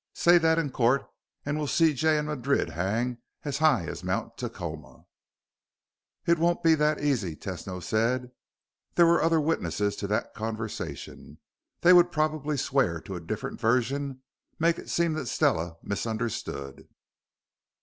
"Say that in court and we'll see Jay and Madrid hang as high as Mount Tacoma." "It won't be that easy," Tesno said. "There were other witnesses to that conversation. They would probably swear to a different version, make it seem that Stella misunderstood."